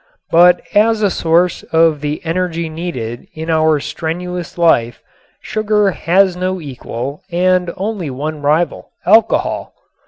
But as a source of the energy needed in our strenuous life sugar has no equal and only one rival, alcohol.